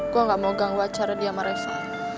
gue gak mau gangwacar dia sama reva